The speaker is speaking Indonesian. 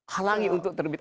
halangi untuk terbit